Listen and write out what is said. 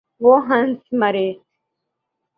وہ ہنس مارے۔